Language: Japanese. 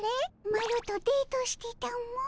マロとデートしてたも。